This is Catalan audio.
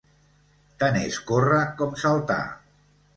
Tant és córrer com saltar.